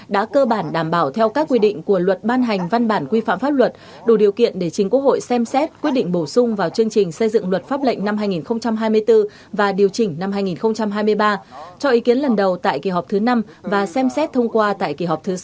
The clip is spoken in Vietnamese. đã cơ bản đảm bảo theo các quy định của luật ban hành văn bản quy phạm pháp luật đủ điều kiện để chính quốc hội xem xét quyết định bổ sung vào chương trình xây dựng luật pháp lệnh năm hai nghìn hai mươi bốn và điều chỉnh năm hai nghìn hai mươi ba cho ý kiến lần đầu tại kỳ họp thứ năm và xem xét thông qua tại kỳ họp thứ sáu